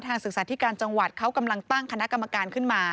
ศึกษาธิการจังหวัดเขากำลังตั้งคณะกรรมการขึ้นมา